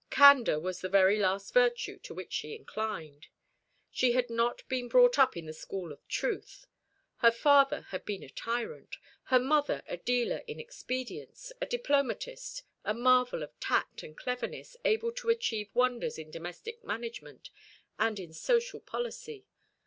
Candour was the very last virtue to which she inclined. She had not been brought up in the school of truth. Her father had been a tyrant, her mother a dealer in expedients, a diplomatist, a marvel of tact and cleverness, able to achieve wonders in domestic management and in social policy.